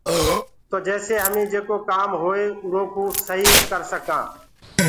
تو جيسي هميٚ جيڪو ڪآم هوئي اُرو ڪوٚ سهيٚ ڪر سڪانٚ۔